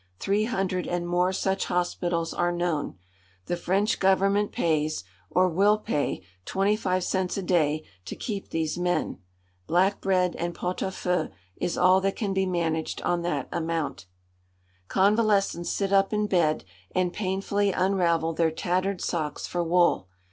Three hundred and more such hospitals are known. The French Government pays, or will pay, twenty five cents a day to keep these men. Black bread and pot à feu is all that can be managed on that amount. Convalescents sit up in bed and painfully unravel their tattered socks for wool.